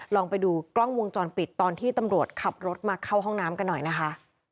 ลองไปดูกล้องวงจรปิดตอนที่ตำรวจขับรถมาเข้าห้องน้ำกันหน่อยนะคะ